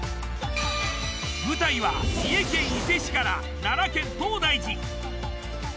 舞台は三重県伊勢市から奈良県東大寺。